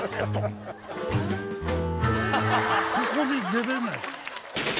ここに出れない。